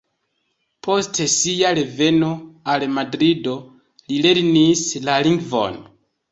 Post sia reveno al Madrido, li lernis la lingvon.